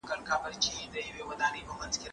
پلان د ښوونکي له خوا منظميږي،